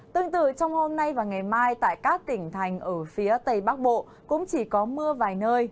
tương tự trong hôm nay và ngày mai tại các tỉnh thành ở phía tây bắc bộ cũng chỉ có mưa vài nơi